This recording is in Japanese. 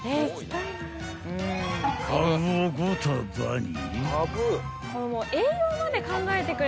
［カブを５束に］